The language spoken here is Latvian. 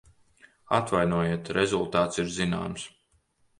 Atvainojiet, rezultāts ir zināms.